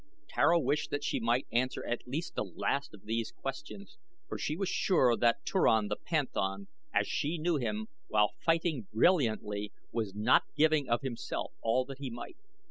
Tara wished that she might answer at least the last of these questions for she was sure that Turan the panthan, as she knew him, while fighting brilliantly, was not giving of himself all that he might.